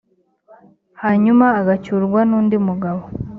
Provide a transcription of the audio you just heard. hanyuma agacyurwa n’undi mugabo,